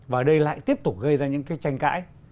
và ở đây lại tiếp tục gây ra những cái tranh cãi